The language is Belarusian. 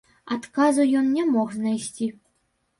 Адказу ён не мог знайсці.